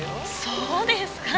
そうですか。